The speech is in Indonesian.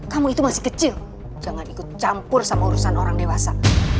kamu itu masih kecil jangan ikut campur sama urusan orang dewasa